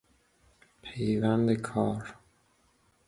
پیوند کار